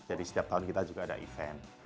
jadi setiap tahun kita juga ada event